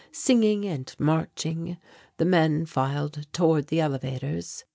Singing and marching, the men filed toward the elevators.